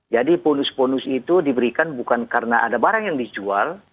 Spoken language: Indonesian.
bonus bonus itu diberikan bukan karena ada barang yang dijual